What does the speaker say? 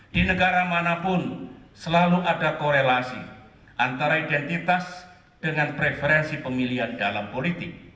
di negara manapun selalu ada korelasi antara identitas dengan preferensi pemilihan dalam politik